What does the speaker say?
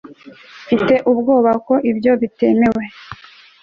mfite ubwoba ko ibyo bitemewe